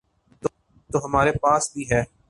تو ہمارے پاس بھی ہے۔